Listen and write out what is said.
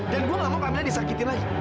dan gue gak mau pamela disakiti lagi